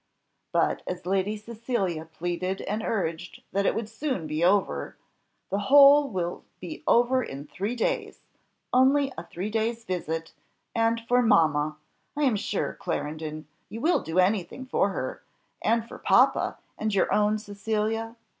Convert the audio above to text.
But as Lady Cecilia pleaded and urged that it would soon be over, "the whole will be over in three days only a three days' visit; and for mamma! I am sure, Clarendon you will do anything for her, and for papa, and your own Cecilia?